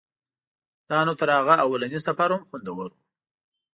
دا نو تر هغه اولني سفر هم خوندور و.